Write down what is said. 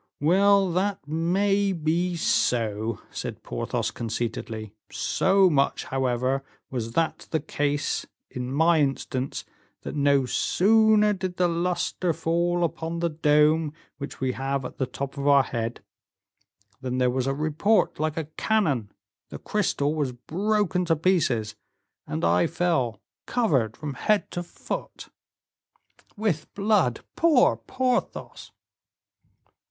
"Well, that may be so," said Porthos, conceitedly, "so much, however, was that the case, in my instance, that no sooner did the luster fall upon the dome which we have at the top of our head, than there was a report like a cannon, the crystal was broken to pieces, and I fell, covered from head to foot." "With blood, poor Porthos!"